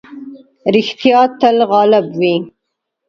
رښتيا تل غالب وي.